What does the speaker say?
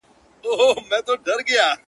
د شپې ویښ په ورځ ویده نه په کارېږي-